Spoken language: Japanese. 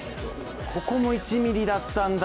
ここも１ミリだったんだ！